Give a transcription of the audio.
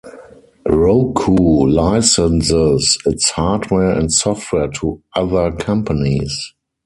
Roku licenses its hardware and software to other companies.